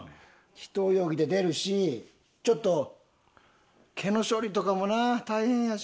ひと泳ぎで出るしちょっと毛の処理とかもな大変やし。